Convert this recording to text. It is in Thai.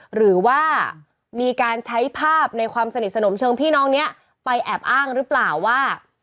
หรือว่ามีการใช้ภาพในความสนิทสนมเชิงพี่น้องนี้ไปแอบอ้างหรือเปล่าว่า